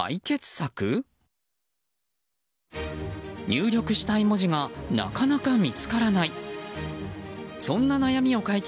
入力したい文字がなかなか見つからない。